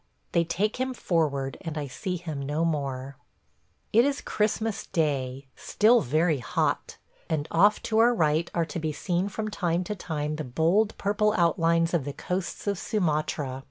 They take him forward, and I see him no more. ... It is Christmas Day – still very hot; and off to our right are to be seen from time to time the bold purple outlines of the coasts of Sumatra.